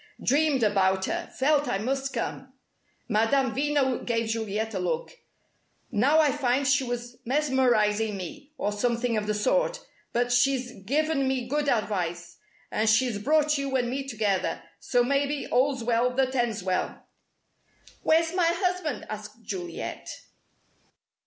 Dreamed about her, felt I must come!" Madame Veno gave Juliet a look. "Now I find she was mesmerizing me or something of the sort. But she's given me good advice, and she's brought you and me together, so maybe all's well that ends well." "Where's my husband?" asked Juliet.